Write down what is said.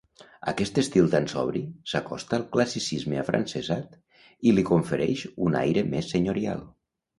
Aquest estil tan sobri, s'acosta al classicisme afrancesat i li confereix un aire més senyorial.